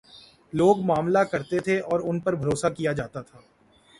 لوگ معاملہ کرتے تھے اور ان پر بھروسہ کیا جا تا تھا۔